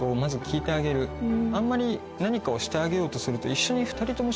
あんまり何かをしてあげようとすると一緒に。